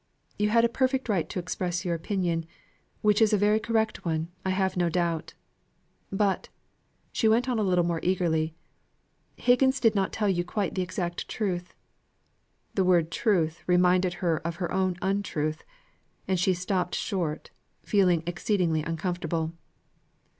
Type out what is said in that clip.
You had a perfect right to express your opinion, which was a very correct one, I have no doubt. But," she went on a little more eagerly, "Higgins did not quite tell you the exact truth." The word "truth," reminded her of her own untruth, and she stopped short, feeling exceedingly uncomfortable.